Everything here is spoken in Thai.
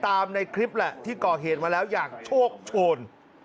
ในคลิปแหละที่ก่อเหตุมาแล้วอย่างโชคโชน